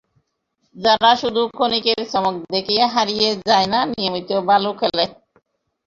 যারা শুধু ক্ষণিকের চমক দেখিয়ে হারিয়ে যায় না, নিয়মিত ভালো খেলে।